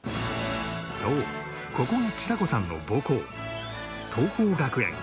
そうここがちさ子さんの母校桐朋学園